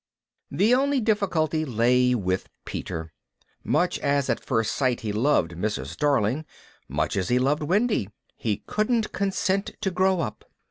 The only difficulty lay with Peter. Much as at first sight he loved Mrs. Darling, much as he loved Wendy, he couldn't consent to grow up.